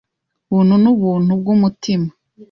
bumuntu n’ubuntu bw’umutima.